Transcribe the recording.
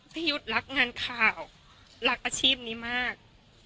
พี่ยุทธ์รักงานข่าวรักอาชีพนี้มาก